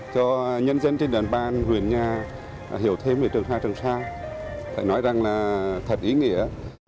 cho nhân dân trên địa bàn huyền nhà hiểu thêm về trường sa trường sa phải nói rằng là thật ý nghĩa